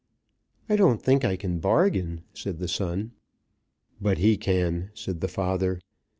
"I don't think I can bargain," said the son. "But he can," said the father.